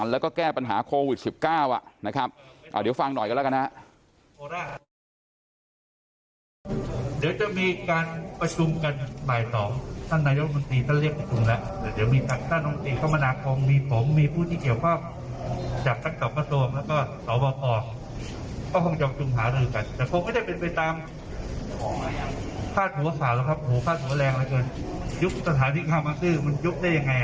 แล้วก็แก้ปัญหาโควิด๑๙นะครับเดี๋ยวฟังหน่อยกันแล้วกันนะฮะ